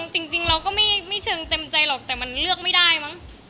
จริงเราก็ไม่เชิงเต็มใจหรอกแต่มันเลือกไม่ได้มั้ง